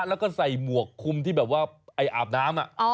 แล้วก็ใส่หมวกคุมที่แบบว่าอาบน้ำ